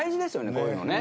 こういうのね。